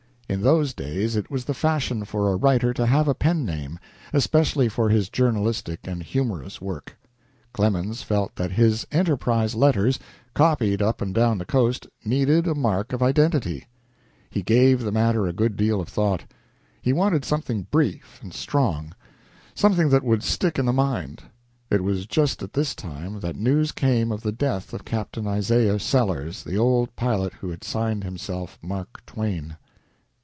In those days it was the fashion for a writer to have a pen name, especially for his journalistic and humorous work. Clemens felt that his "Enterprise" letters, copied up and down the Coast, needed a mark of identity. He gave the matter a good deal of thought. He wanted something brief and strong something that would stick in the mind. It was just at this time that news came of the death of Capt. Isaiah Sellers, the old pilot who had signed himself "Mark Twain."